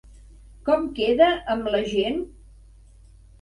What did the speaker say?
Com queda amb la gent?